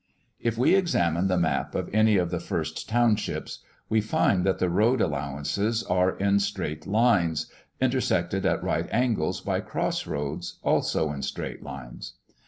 If we examine the map of any of the first townships, we find that the road allowances are in straight lines, intersected at right angles by cross roads, also in straight lines.